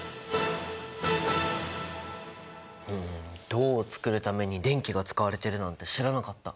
ふん銅を作るために電気が使われてるなんて知らなかった。